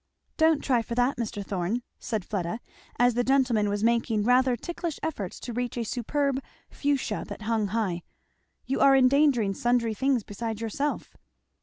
"Don't try for that, Mr. Thorn," said Fleda, as the gentleman was making rather ticklish efforts to reach a superb Fuchsia that hung high, "You are endangering sundry things besides yourself."